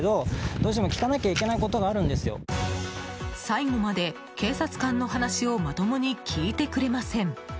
最後まで警察官の話をまともに聞いてくれません。